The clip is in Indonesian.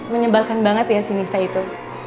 menyebalkan banget ya si nista itu